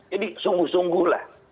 jadi sungguh sungguh lah